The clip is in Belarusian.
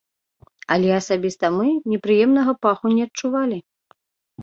Але асабіста мы непрыемнага паху не адчувалі.